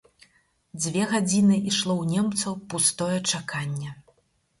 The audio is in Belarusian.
Дзве гадзіны ішло ў немцаў пустое чаканне.